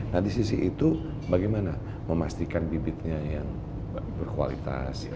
nah disisi itu bagaimana memastikan bibitnya yang berkualitas